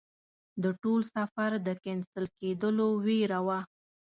د ټول سفر د کېنسل کېدلو ویره وه.